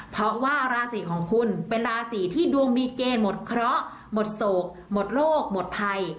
เพราะว่าราศีของคุณเป็นราศีที่ดวงมีเกณฑ์หมดเคราะห์หมดโศกหมดโลกหมดภัย